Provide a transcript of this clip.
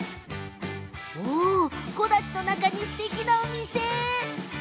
木立の中にすてきなお店。